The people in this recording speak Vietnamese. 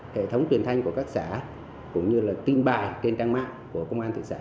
hệ thống truyền thanh của các xã cũng như là tin bài trên trang mạng của công an thị xã